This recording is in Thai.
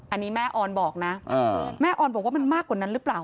อันนี้แม่ออนบอกนะแม่ออนบอกว่ามันมากกว่านั้นหรือเปล่า